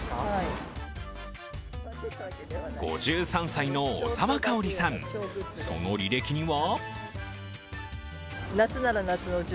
５３歳の小澤かおりさん、その履歴には？